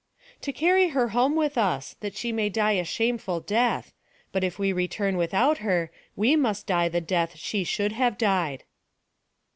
"To carry her home with us, that she may die a shameful death; but if we return without her, we must die the death she should have died."